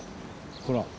ほら。